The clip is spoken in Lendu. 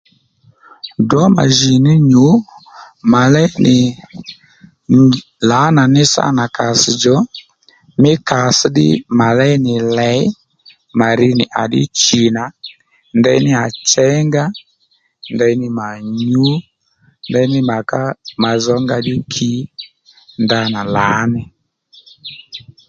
Drǒ mà jì ní nyû mà léy nì lǎnà ní sâ nà kàss djò mí kàss ddí mà léy nì lèy mà ri nì à ddí chì nà ndeyní à chěy nga ndeyní mà nyǔ ndeyní mà ká mà zz̀-ónga ddí kǐ ndanà lǎní